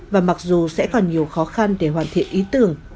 và mặc dù sẽ còn nhiều khó khăn để hoàn thiện ý tưởng